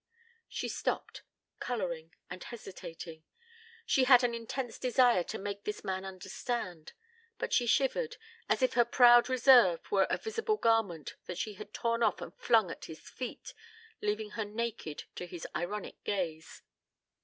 ..." She stopped, coloring and hesitating. She had an intense desire to make this man understand, but she shivered, as if her proud reserve were a visible garment that she had torn off and flung at his feet, leaving her naked to his ironic gaze.